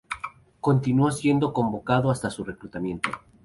Continuó siendo convocado hasta su reclutamiento.